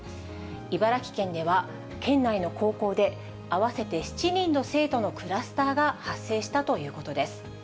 茨城県では県内の高校で、合わせて７人の生徒のクラスターが発生したということです。